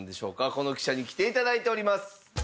この記者に来て頂いております。